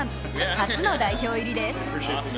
初の代表入りです。